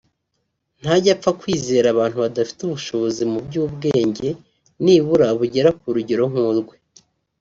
ntajya apfa kwizera abantu badafite ubushobozi mu by’ubwenge nibura kugera ku rugero nk’urwe